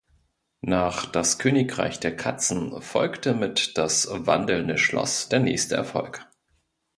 Nach "Das Königreich der Katzen" folgte mit "Das wandelnde Schloss" der nächste Erfolg.